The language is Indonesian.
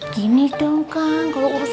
gini dong kang kalau ngurus rumah